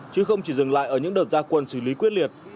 chứ không chỉ dừng lại ở những đợt gia quân xử lý quyết liệt